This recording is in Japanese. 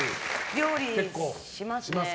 料理しますね。